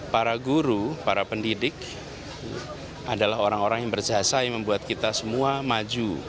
para guru para pendidik adalah orang orang yang berjasa yang membuat kita semua maju